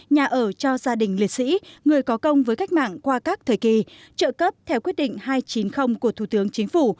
nhà ở cho gia đình liệt sĩ người có công với cách mạng qua các thời kỳ trợ cấp theo quyết định hai trăm chín mươi của thủ tướng chính phủ